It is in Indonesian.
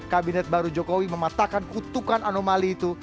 kabinet baru jokowi mematakan kutukan anomali itu